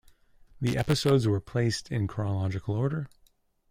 The episodes were placed in chronological order.